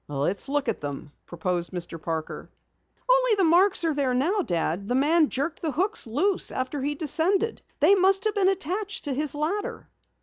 "Let's look at them," proposed Mr. Parker. "Only the marks are there now, Dad. The man jerked the hooks loose after he descended. They must have been attached to his ladder."